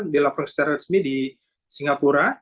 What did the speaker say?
dilaporkan secara resmi di singapura